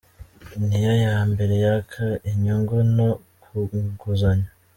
Ni yo ya mbere yaka inyungu nto ku nguzanyo.